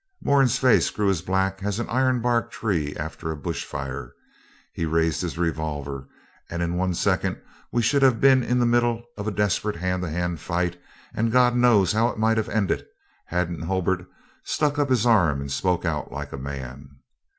Moran's face grew as black as an ironbark tree after a bush fire. He raised his revolver, and in one second we should have been in the middle of a desperate hand to hand fight; and God knows how it might have ended hadn't Hulbert struck up his arm, and spoke out like a man.